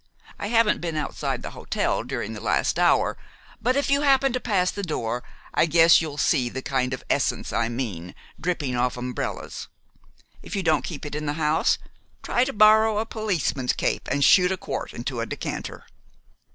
I haven't been outside the hotel during the last hour; but if you happen to pass the door I guess you'll see the kind of essence I mean dripping off umbrellas. If you don't keep it in the house, try to borrow a policeman's cape and shoot a quart into a decanter."